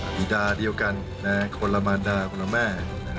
บีดาเดียวกันคนละมานดาคนละแม่